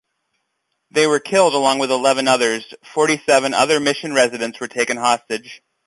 They were killed along with eleven others; Forty-seven other mission residents were taken hostage.